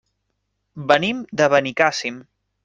Venim de Benicàssim.